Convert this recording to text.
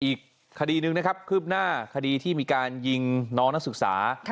อีกคดีหนึ่งนะครับคืบหน้าคดีที่มีการยิงน้องนักศึกษา